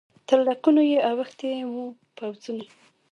تر لکونو یې اوښتي وه پوځونه